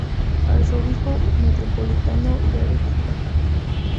Arzobispo Metropolitano de Arequipa.